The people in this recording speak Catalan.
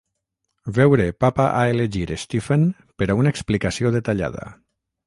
Veure Papa a elegir Stephen per a una explicació detallada.